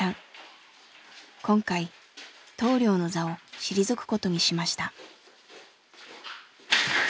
今回棟梁の座を退くことにしました。